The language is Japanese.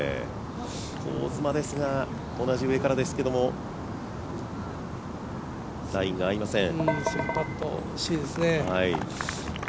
香妻ですが、同じ上からですけどラインが合いません。